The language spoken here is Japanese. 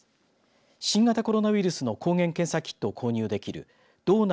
新型コロナウイルスの抗原検査キットを購入できる道内